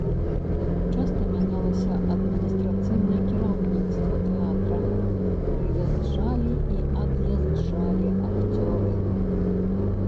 Часта мянялася адміністрацыйнае кіраўніцтва тэатра, прыязджалі і ад'язджалі акцёры.